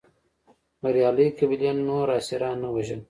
بریالۍ قبیلې نور اسیران نه وژل.